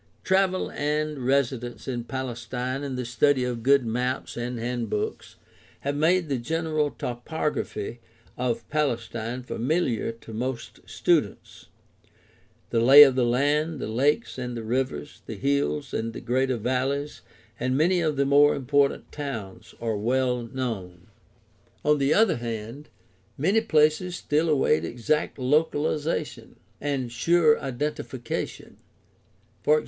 Travel and residence in Palestine and the study of good maps and handbooks have made the general topography of Palestine familiar to most students. The lay of the land, the lakes and rivers, the hills and greater valleys, and many of the more important towns are well known. On the other hand, many places still await exact localization and sure identification, e.g.